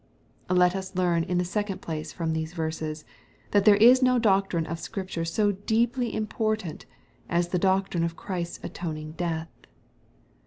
Let us learn, in the second place, from these verses, that there is no doctrine of Scripture so deeply import^ j ant as the doctrine of Christ's atoning death.